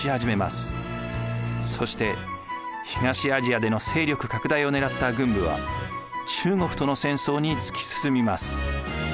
そして東アジアでの勢力拡大を狙った軍部は中国との戦争に突き進みます。